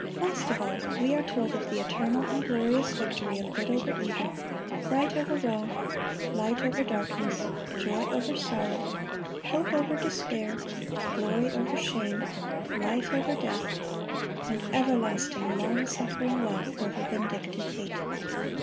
Last of all, we are told of the eternal and glorious victory of good over evil, right over wrong, light over darkness, joy over sorrow, hope over despair, glory over shame, life over death, and everlasting, long suffering love over vindictive hate.